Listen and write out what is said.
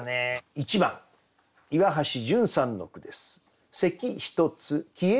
１番岩橋潤さんの句です。